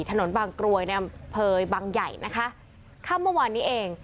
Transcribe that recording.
ถนนบางกรวยในอำเภอบางใหญ่นะคะค่ำเมื่อวานนี้เอง